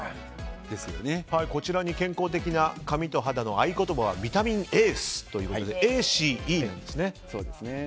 こちらに健康的な髪と肌の合言葉はビタミンＡＣＥということでＡ、Ｃ、Ｅなんですね。